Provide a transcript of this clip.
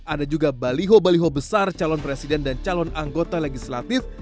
ada juga baliho baliho besar calon presiden dan calon anggota legislatif